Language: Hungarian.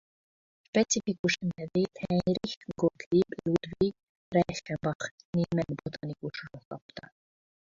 Specifikus nevét Heinrich Gottlieb Ludwig Reichenbach német botanikusról kapta.